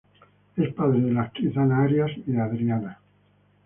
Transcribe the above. Es padre de la actriz Ana Arias y de Adriana.